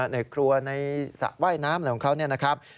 ในครัวในสระว่ายน้ำอะไรของเขาเนี่ยนะครับ